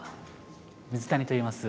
水谷といいます。